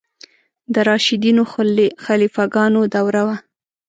د راشدینو خلیفه ګانو دوره وه.